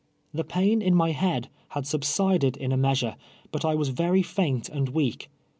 1'lie ]'ain in my head liad suhsiiU'd in a measure, hut I was very taint and weak.